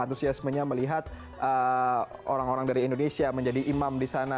antusiasmenya melihat orang orang dari indonesia menjadi imam di sana